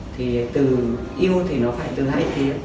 thì từ yêu thì nó phải từ hai cái